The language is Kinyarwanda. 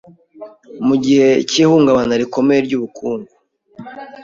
mu gihe cy'ihungabana rikomeye ry'ubukungu